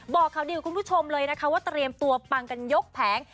บอกข่าวดีกับคุณผู้ชมเลยนะคะว่าเตรียมตัวปังกันยกแผง